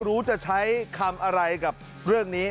รู้จะใช้คำอะไรกับเรื่องนี้